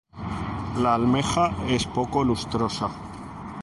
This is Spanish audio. La almeja es poco lustrosa.